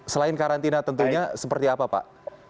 selain karantina tentunya seperti apa pak